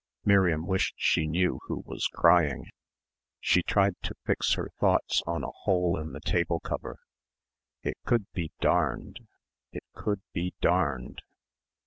Miriam wished she knew who was crying. She tried to fix her thoughts on a hole in the table cover. "It could be darned.... It could be darned."